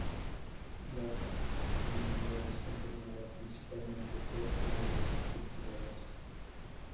La comunidad está formada principalmente por áreas cultivadas.